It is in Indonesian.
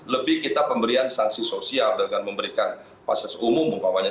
lebih kita pemberian sanksi sosial dengan memberikan fasilitas umum umpamanya